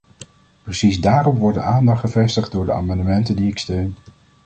Precies daarop wordt de aandacht gevestigd door de amendementen die ik steun.